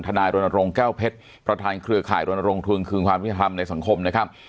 ทนายรนทรงแก้วเพชรประทานเครือข่ายรนทรงกรึงคือความพิธีธรรมานในสังคมนะครับ